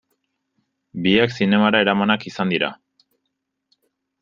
Biak zinemara eramanak izan dira.